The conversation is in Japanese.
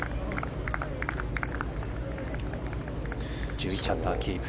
１１アンダーをキープ。